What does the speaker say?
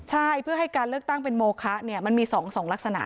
ใช่เพื่อให้การเลือกตั้งเป็นโมคะมันมี๒๒ลักษณะ